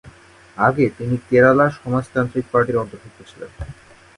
আগে তিনি কেরালা সমাজতান্ত্রিক পার্টির অন্তর্ভুক্ত ছিলেন।